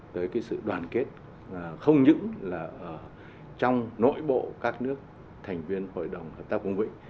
tới cái sự đoàn kết không những là trong nội bộ các nước thành viên hội đồng hợp tác cung vị